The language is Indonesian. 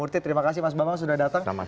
terima kasih mas bambang sudah datang